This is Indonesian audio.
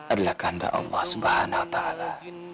adalah kanda allah subhanahu wa ta'ala